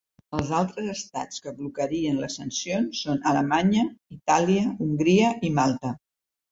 Els altres estats que blocarien les sancions són Alemanya, Itàlia, Hongria i Malta.